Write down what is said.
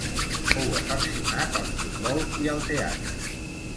Fou afeccionat al futbol i al teatre.